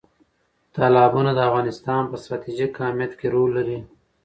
تالابونه د افغانستان په ستراتیژیک اهمیت کې رول لري.